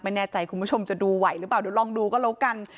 ไม่แน่ใจคุณผู้ชมจะดูไหวหรือเปล่าดูลองดูก็แล้วกัน